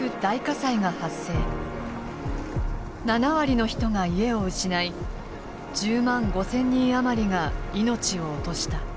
７割の人が家を失い１０万５，０００人余りが命を落とした。